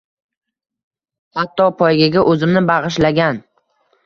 Hatto poygaga o’zimni bag’ishlagan